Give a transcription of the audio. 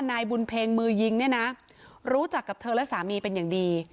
นายบุญเพ็งมือยิงเนี่ยนะรู้จักกับเธอและสามีเป็นอย่างดี